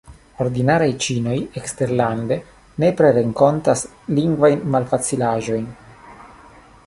Ordinaraj ĉinoj eksterlande nepre renkontas lingvajn malfacilaĵojn.